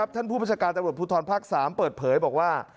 ท่านผู้ประชาการจังหวัดภูทรภาค๓เปิดเผยบอกว่า